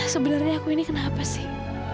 sebenarnya aku ini kenapa sih